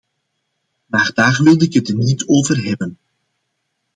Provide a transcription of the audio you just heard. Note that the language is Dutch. Maar daar wilde ik het niet over hebben.